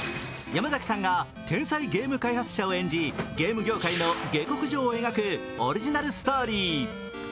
山崎さんが天才ゲーム開発者を演じ、ゲーム業界の下克上を描くオリジナルストーリー。